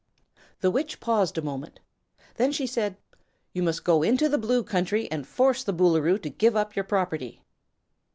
The Witch paused a moment. Then she said: "You must go into the Blue Country and force the Boolooroo to give up your property."